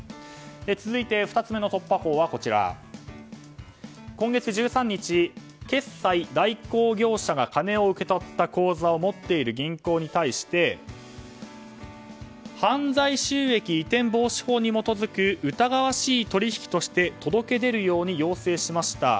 続いて、２つ目の突破口は今月１３日、決済代行業者が金を受け取った口座を持っている銀行に対して犯罪収益移転防止法に基づく疑わしい取引として届け出るように要請しました。